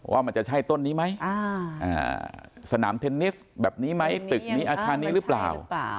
ว่ามันจะใช่ต้นนี้ไหมสนามเทนนิสแบบนี้ไหมตึกนี้อาคารนี้หรือเปล่า